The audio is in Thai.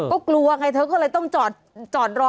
ก็กลัวไงเธอก็เลยต้องจอดรอ